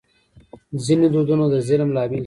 ځینې دودونه د ظلم لامل کېږي.